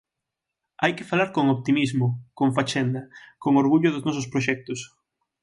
Hai que falar con optimismo, con fachenda, con orgullo dos nosos proxectos.